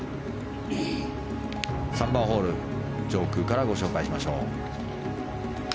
３番ホール上空からお伝えしましょう。